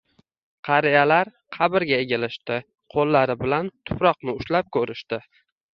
Qariyalar qabrga egilishdi, qoʻllari bilan tuproqni ushlab koʻrishdi.